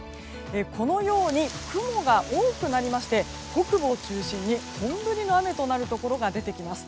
このように雲が多くなりまして北部を中心に本降りの雨となるところが出てきます。